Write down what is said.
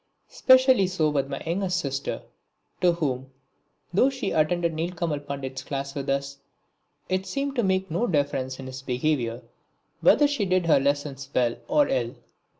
Specially so with my youngest sister, to whom, though she attended Nilkamal Pandit's class with us, it seemed to make no difference in his behaviour whether she did her lessons well or ill.